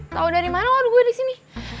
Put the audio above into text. tau dari mana lo ada gue disini